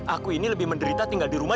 aku ini lebih menderita tinggal di rumah